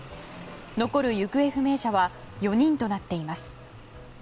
残る行方不明者は４人となっています。